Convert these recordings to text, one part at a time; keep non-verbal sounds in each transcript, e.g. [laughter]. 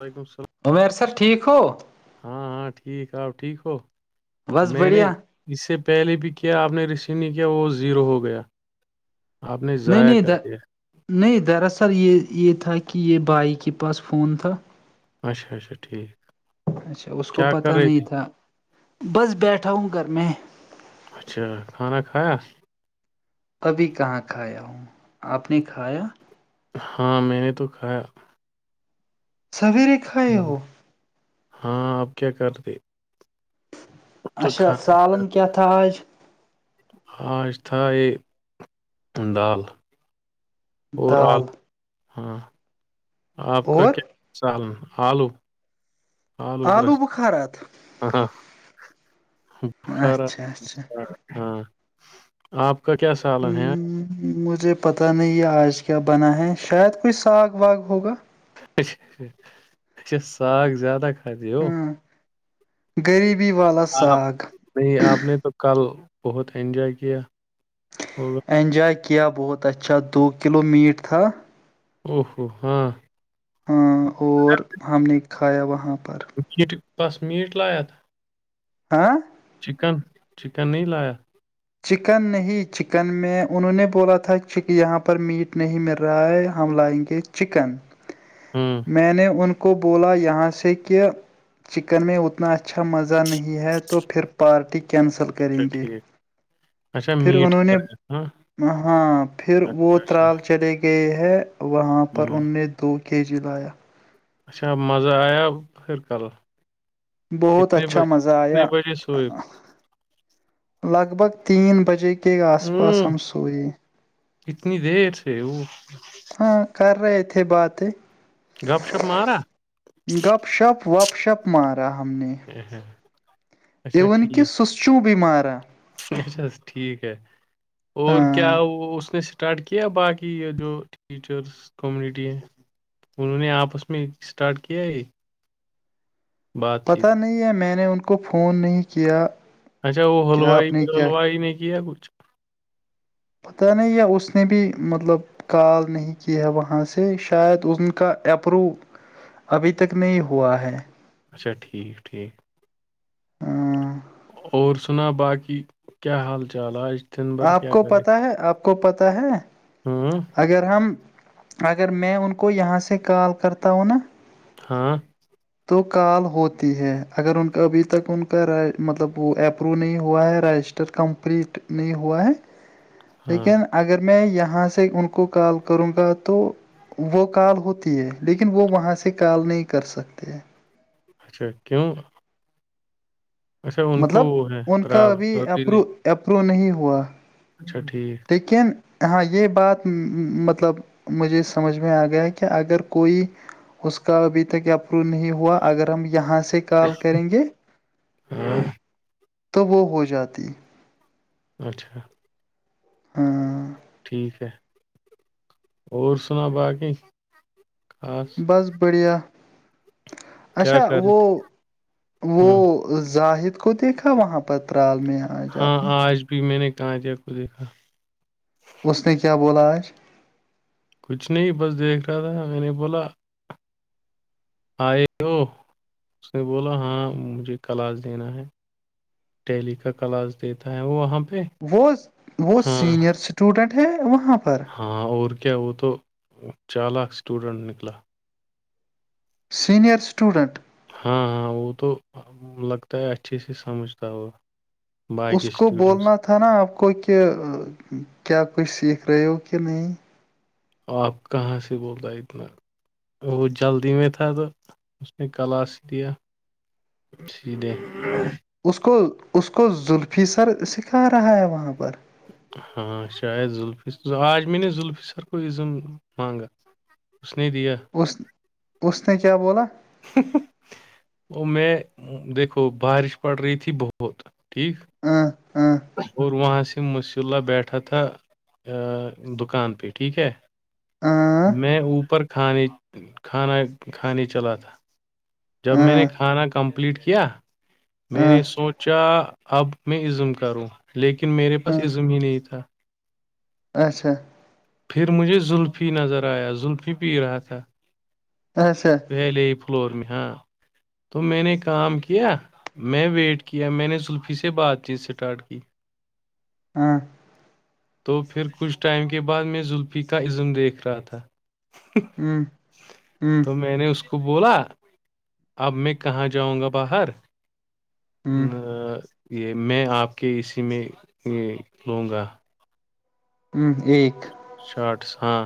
وعلیکم السلام امیر سر ٹھیک ہو ہاں ہاں ٹھیک آپ ٹھیک ہو بس میں نے بڑھیا اس سے پہلے بھی کیا آپ نے رسیو نہیں کیا وہ زیرو ہو گیا آپ نے نہیں ضائع کر نہیں دیا نہیں دراصل یہ یہ تھا کہ یہ بھائی کے پاس فون تھا اچھا اچھا ٹھیک اچھا اس کو کیا پتہ کر رہی نہیں تھی تھا بس بیٹھا ہوں گھر میں اچھا کھانا کھایا ابھی کہاں کھایا ہوں آپ نے کھایا ہاں میں نے تو کہھایا سویرے کھائے ہو ہاں آپ کیا کرتے اب تو اچھا کھانا سالن کھاتے۔ کی تھا آج آج تھائےے دال [unintelligible] اور آپ دال ہاں آپ کا اور کیا [unintelligible] سالن آلو آلو [unintelligible] ہاں بخارا اچھا اچھا ہاں [unintelligible] آپ کا کیا س ہ مجھے پتہ نہیں آج کیا بنا ہے شاید کوئی ساگ واگ ہوگا اچھا ساگ زیادہ کھات ہوو ہاں غریبی والا ساگ نہیں آپ نے تو کل بہت انجوائے کیا ہوگا اینجاائے کیا بہت اچھا دو کلو میٹ تھا او ہوو ہاں [inaudible] ہ اور ہم نے کھایا وہاں پر بس میٹ لاائت ہاں [inaudible] چکن چکن نہیں لایا چکن نہیں چکن میں انہوں نے بولا تھا یہاں پر میٹ نہیں مل رہا ہے ہم لائیں گے چکن ہوں میں نے ان کو بولا یہاں سے کہ چکن میں اتنا اچھا مزہ نہیں ہے تو پھر پارٹی کینسل اچھا کریں گے ٹھیک۔ اچھا پھر میٹ ہی انہوں نے لایا تھا، ہاں؟ ہاں پھر وہ اچھا، اچھا، ترال چلے گی گئے ہے وہاں پر ہوں۔ ان نے دو کے جی لایا اچھا مزہ آیا پھر کل بہت کتنے اچھا بجے مزہ کتنے آیا بجے سوئے؟ لگ بھگ تین بجے کے آس پاس ہم سورئی کتنی دیر سے وہ ہاں کر رہے تھے بات گپ شپ مارا گپ شپ وپ شپ مارا ہم نے ا ہ اون کہ سس چوم بیمارا اچھا ٹھیک ہے اور کیا ہاں وہ اس نے اسٹارٹ کیا باقی یہ جو ٹیچرس کمیونٹی ہے انہوں نے آپس میں اسٹارٹ کیا ہے پتہ نہیں ہے میں نے ان کو فون نہیں کیا اچھا وہ کیا حلوائی آپ نے کیا حلوائی میں کیا ہے کچھ پتاہ نہیں ہے اس نے بھی مطلب کال نہیں کی ہے وہاں سے شاید ا کا اپرو ابھی تک نہیں ہوا ہے اچھا ٹھیک ٹھیک ہاں اور سنا باقی کیا حال چال آج دن بھر آپ کیا کو کرے پتہ ہے آپ کو پتہ ہے ہاں اگر ہم اگر میں ان کو یہاں سے کال کرتا ہوں نا ہاں تو کال ہوتی ہے اگر ان کا ابھی تک ان کا مطلب وہ اپرو نہیں ہوا ہے رجسٹر ت کمپلیٹ نہیں ہوا ہے ہاں لیکن اگر میں یہاں سے ان کو کال کروں گا تو وہ کال ہوتی ہے لیکن وہ وہاں سے کال نہیں کر سکتے اچھا کیوںہ کو مطلب وہ ہے ان کا ابھی پرابلم نہیں اپرو اپروو نہیں ہوا اچھا ٹھیک لیکن ہاں یہ بات مطلب مجھے سمجھ میں آ گیا کہ اگر کوئی اس کا ابھی تک اپرو نہیں ہوا اگر ہم یہاں سے کال کریں گے ہاں تو وہ ہو جاتی اچھا ہاں یک ہے اور سنا باقی خاس بس بڑھیا کیا اچھا کر رہے وہ تھے ہوں وہ زاہد کو دیکھا وہاں پتہ رال م ہاں آج بھی میں نے کہاں دیا کو دیکھا اس نے کیا بولا آج کچھ نہیں بس دیکھ رہا تھا میں نے بولا آئے ہو اس نے بولا ہاں مجھے کلاس دینا ہے دہلی کا کلاس دیتا ہے وہ وہاں پہ وہ وہ ہاں سینئر اسٹوڈنٹ ہے وہاں پر ہاں اور کیا وہ تو چالاک اسٹوڈنٹ نکلا سینئر اسٹوڈنٹ ہاں ہاں وہ تو لگتا ہے اچھے سے سمجھتا ہوا اس باقی کو اسٹوڈنٹس بولنا تھا نا آپ کو کہ کیا کچھ سیکھ رہے ہو کہ نہیں آپ کہاں سے بول رہ اتنا وہ جلدی میں تھا تو اس نے کلاس ہی لیا سی دیں اس کو اس کو زلفی سر سکھا رہا ہے وہاں پر ہاں شایدف آج میں نے ذفی سر کوم مانگا اس نے دیا اس اس نے کیا بولا وہ میں دیکھو بارش پڑ رہی تھی بہت ٹھیک ہاں اور وہاں سے مس اللہ بیٹھا تھا دکان پہ ٹھیک ہے اں میں اوپر کھانے چلا تھا جب میں نے اں کھانا کمپلیٹ کیا میں اں نے سوچا اب میں کروں لیکن میرے پاس اں عزم ہی نہیں تھا اچھا پھر مجھے زلفی نظر آیا زلفی پی رہا تھا اچ سا ویلے ہی فلور میں ہاں تو میں نے کام کیا میں ویٹ کیا میں نے زلفی سے بات چیت اسٹارٹ کی ہاں تو پھر کچھ ٹائم کے بعد میں زلفی کا عزم دیکھ رہا تھا ہ تو میں نے اس کو کو بولا اب میں کہاں جاؤں گا باہر ہ یہ میں آپ کے اسی میں لوں گا ہوں ایک شارٹس ہاں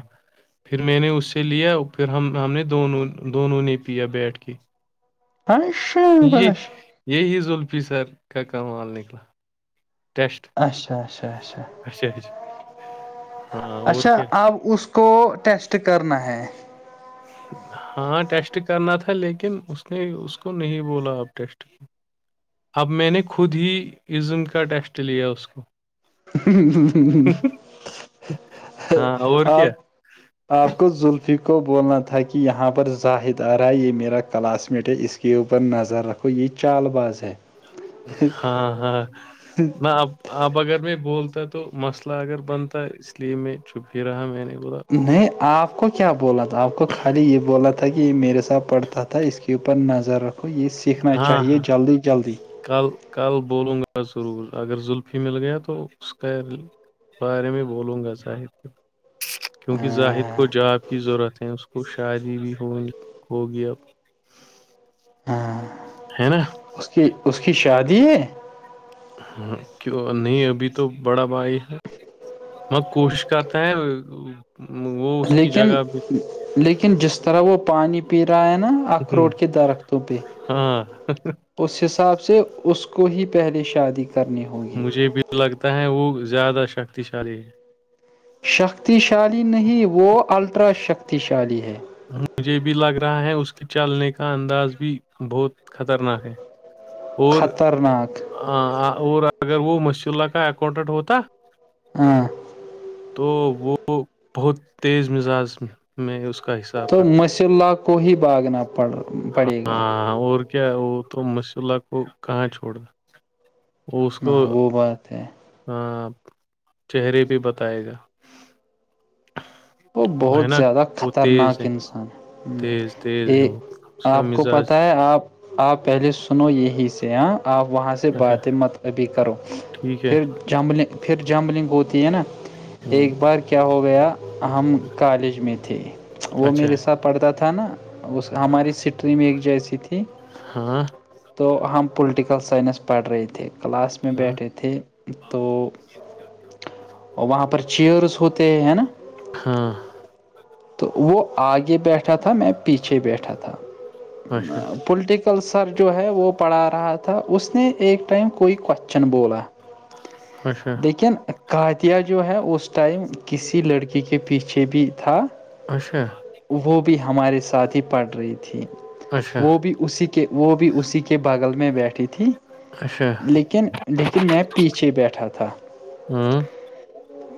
پھر میں نے اس سے لیا پھر ہم ہم نے دونوں دونوں نے پیا بیٹھ کے پش یہ یہی ز الفی سر کا کا مال نکلا ٹیسٹ اچھا اچھا اچھا اچھا اچھا ہاں اور اچھا کیا اب اس کو ٹیسٹ کرنا ہے ہاں ٹیسٹ کرنا تھا لیکن اس نے اس کو نہیں بولا آب ٹیسٹ اب میں نے خود ہی عزن کا ٹیسٹ لیا اس کو ہاں اور کیا آپ آپ کو زلفی کو بولنا تھا کہ یہاں پر ظاہد آ رہا ہے یہ میرا کلاس میٹ ہے اس کے اوپر نظر رکھو یہ چال باز ہے ہاں ہاں نہ اب اب اگر میں بولتا تو مسئلہ اگر بنتا ہے اس لیے میں چپ ہی رہا میں نہیں بولا اس سے نہیں آپ کو کیا بولا تھا آپ کو خالی یہ بولا تھا کہ یہ میرے ساتھ پڑھتا تھا اس کے اوپر نظر رکھو یہ سیکھنا ہاں چاہیے ہاں جلدی جلدی کل کل بولوں گا ضرور اگر زلفی مل گیا تو اس کا بارے میں بولوں گا ظاہد کو کیونکہ جاہد کو جاب کی ضرورت ہے اس کو شادی بھی ہو ہوگی اب ہاں ہے نا اس کی اس کی شادی ہے ہاں کیوں نہیں ابھی تو بڑا بھائی ہے وہ کوشش کرتا ہیں وہ اس کی لیکن جگہ بھی لیکن جس طرح وہ پانی پی رہا ہے نا اخروٹ کے درختوں پہ ہاں اس حساب سے اس کو ہی پہلے شادی کرنی ہو مجھے بھی لگتا ہے وہ زیادہ شکتیشالی ہے شکتیشالی نہیں وہ الٹرا شکتیشالی ہے مجھے بھی لگ رہا ہے اس کے چلنے کا انداز بھی بہت خطرناک ہے اور خطرناکھ ہا ہا اور اگر بو مشر اللہ کا اکاؤونٹنٹ ہوتا ہاں تو وہ بہت تیز مزاج میں میں اس کا حص تو مصر اللہ کو ہی بھاگنا پڑ پڑے گا ہاں اور کیا وہ تو مسر اللہ کو کہاں چھوڑ او اس کو ہاں وہ بات ہے ہا چہہرے پے بتائے گا وہ ہے بہت نا زیادہ وہ تیز ہے خطرناک انسان تیز تیز ہے وہ ا اس کا آپ کو مزاج پتہ ہے آپ آپ پہلے سنو یہی سے ہاں آپ وہاں سے اچھا باتیں مت ابھی کرو ٹھیک ہے پھر جمبلنگ پھر جمبلنگ ہوتی ہے نا ہ ایک بار کیا ہو گیا ہم کالج میں تھے وہ اچھا میرے ساتھ پڑھتا تھا نا اس ہماری سٹری میں ایک جیسی تھی ہاں تو ہم پولیٹیکل سائنس پڑھ رہے تھے کلاس میں ہاں بیٹھے تھے تو وہاں پر چیئرس ہوتے ہیں ہے نا ہاں تو وہ آگے بیٹھا تھا میں پیچھے بیٹھا تھا اچھا ا پولیٹک کل سر جو ہے وہ پڑھا رہا تھا اس نے ایک ٹائم کوئی کوشچن بولا اچھا لیکن کاتیا جو ہے اس ٹائم کسی لڑکی کی کے پیچھے بھی تھا اچھا وہ بھی ہمارے ساتھ ہی پڑ رہی تھی اچھا وہ بھی اسی کے وہ بھی اسی کے بغل میں بیٹھی تھی اچھا لیکن لیکن میں پیچھے بیٹھا تھا ہاں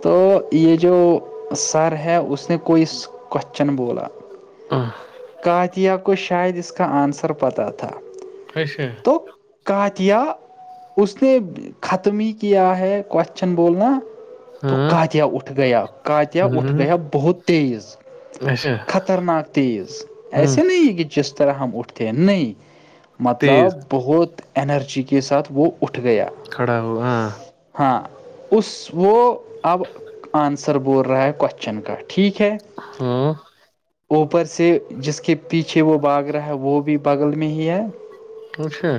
تو یہ جو سر ہے اس نے کوئی کوشچن بولا آ [unintelligible] اچھا قاتیہ اس نے ختم ہی کیا ہے کوشچن بولنا تو ہاں کادیا اٹھ گیا کادیا اٹھ ہوں، گیا بہت تیز اچھا خطرناک تیز ہوں، ایسے نہیں کہ جس طرح ہم اٹھتے ہیں نہیں تیز مطلب بہت انرجی کے ساتھ وہ اٹھ گیا کھڑا ہو ہاں ہاں اس وہ اب آنسر بول رہا ہے کوشچن کا ٹھیک ہے ہاں اوپر سے جس کے پیچھے وہ باگ رہا ہے وہ بھی بغل میں ہی ہے سے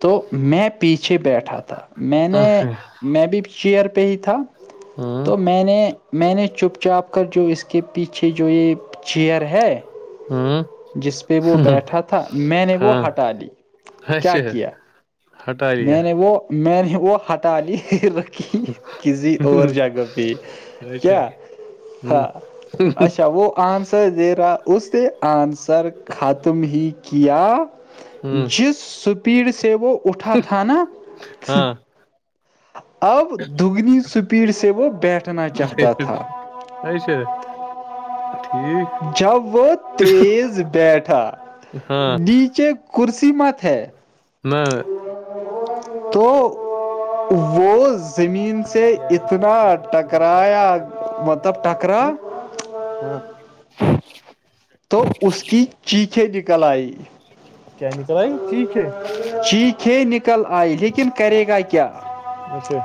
تو میں پیچھے بیٹھا تھا میں نے اچھا میں بھی چیئر پہ ہی تھا ہاں تو میں نے میں نے چپ چاپ کر جو اس کے پیچھے جو یہ چیئر ہے ہاں جس پہ وہ بیٹھا تھا میں نے وہ ہاں ہٹا لی کیا اچھا کیا ہٹا لیا میں نے وہ میں نے وہ ہٹا لی کہ کسی اور جگہ پہ اچھا کیا ہوں ہاں اچھا وہ آن زیرا اس نے آنسر ختم ہی کیا ہوں جس سپیڈ سے وہ اٹھ ہاں اب دگنی سپیڈ سے وہ بیٹھنا چاہتا تھا ایسے جب وہ تیز بیٹھا ہاں نیچے کو کرسی مت ہے نہ تو وہز زمین سے اتنا ٹکرایا مطلب ٹکرا ہاں ہاں تو اس کی چیخیں نکل آئی کیا نکل آئی ٹھیک ہے چیخ چھ نک کل آئی لیکن کرے گا کیا اچھا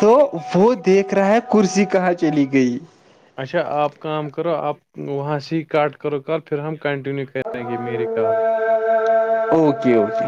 تو وہ دیکھ رہا ہے کرسی کہاں چلی گئی اچھا آپ کام کرو آپ وہاں سے ہی کٹ کرو ک پھر ہم کنٹنیو کریں گی میری کال اوکے اوکے